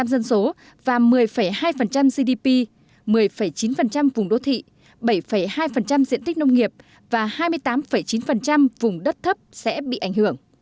một mươi dân số và một mươi hai gdp một mươi chín vùng đô thị bảy hai diện tích nông nghiệp và hai mươi tám chín vùng đất thấp sẽ bị ảnh hưởng